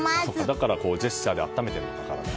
だからジェスチャーで温めてるのか。